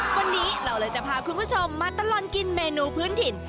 วันนี้เราเลยจะพาคุณผู้ชมมาตลอดกินเมนูพื้นถิ่น